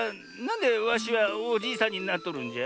んでわしはおじいさんになっとるんじゃ？